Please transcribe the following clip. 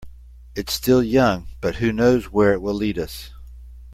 It's still young, but who knows where it will lead us.